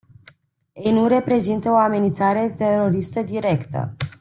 Ei nu reprezintă o amenințare teroristă directă.